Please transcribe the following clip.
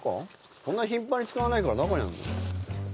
そんな頻繁に使わないから中にあんの？